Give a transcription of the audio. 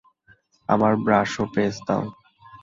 আমার ব্রাশ ও পেস্ট দাও।